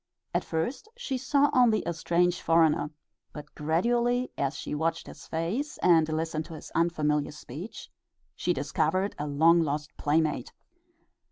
At first she saw only a strange foreigner, but gradually, as she watched his face and listened to his unfamiliar speech, she discovered a long lost playmate.